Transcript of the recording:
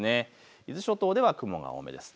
伊豆諸島では雲が多めです。